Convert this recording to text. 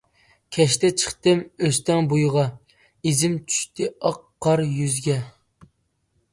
كەچتە چىقتىم ئۆستەڭ بويىغا، ئىزىم چۈشتى ئاق قار يۈزىگە.